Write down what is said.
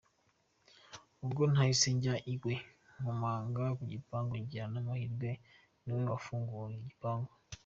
Ubwo nahise njya iwe nkomanga ku gipangu, ngira n’amahirwe niwe wamfunguriye igipangu.